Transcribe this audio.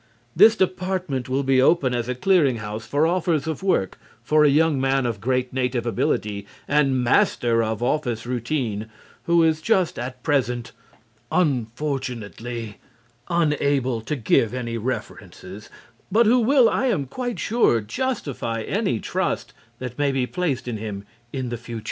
This department will be open as a clearing house for offers of work for a young man of great native ability and master of office routine who is just at present, unfortunately, unable to give any references, but who will, I am quite sure, justify any trust that may be placed in him in the future.